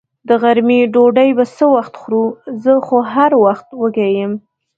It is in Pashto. د غرمې ډوډۍ به څه وخت خورو؟ زه خو هر وخت وږې یم.